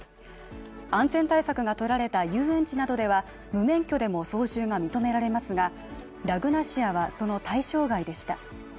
安全対策がとられた遊園地などでは無免許でも操縦が認められますが、ラグナシアはその対象外でした。